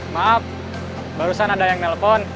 maaf barusan ada yang nelpon